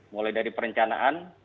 mulai dari perencanaan